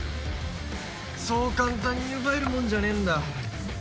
そう簡単に奪えるもんじゃねえんだ。